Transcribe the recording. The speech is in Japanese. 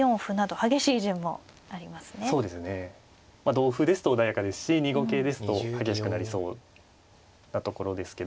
同歩ですと穏やかですし２五桂ですと激しくなりそうなところですけど。